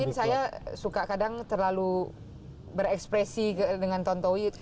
mungkin saya suka kadang terlalu berekspresi dengan tonton owi